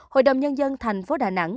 hội đồng nhân dân tp đà nẵng